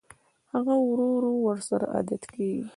هغه ورو ورو ورسره عادت کېږي